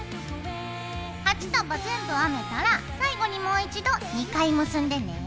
８束全部編めたら最後にもう一度２回結んでね。